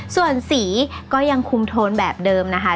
ส่วนสีก็ยังคุมโทนแบบเดิมนะคะ